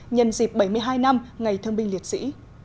nhân dịp bảy mươi hai năm ngày thương binh liệt sĩ